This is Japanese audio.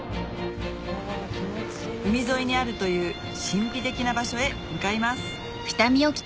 海沿いにあるという神秘的な場所へ向かいます